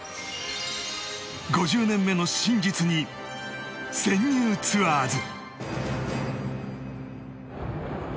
５０年目の真実に潜入ツアーズ！